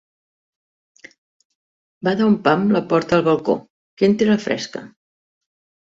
Bada un pam la porta del balcó, que entri la fresca.